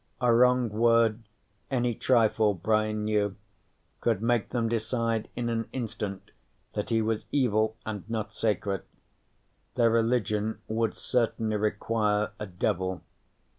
A wrong word, any trifle, Brian knew, could make them decide in an instant that he was evil and not sacred. Their religion would certainly require a devil.